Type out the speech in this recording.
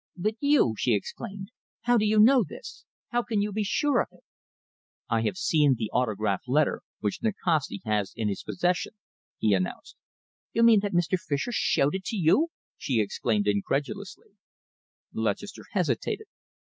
"But you?" she exclaimed. "How do you know this? How can you be sure of it?" "I have seen the autograph letter which Nikasti has in his possession," he announced. "You mean that Mr. Fischer showed it to you?" she exclaimed incredulously. Lutchester hesitated.